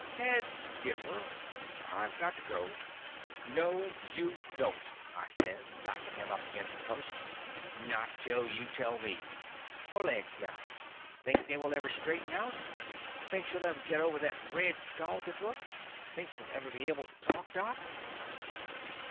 "Heads differ. I 've got to go —" "No you don't!" I says, backing him up against the post; "not till you tell me. Her legs, now. Think they will ever straighten out? Think she '11 ever git over that red, scalded look? Think she '11 ever be able to talk. Doc?"